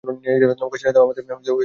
নৌকা ছেড়ে দাও, আমাদের নৌকায় ফিরে যাবে।